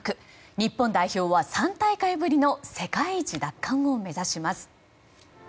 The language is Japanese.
日本代表は３大会ぶりの世界一奪還を目指します。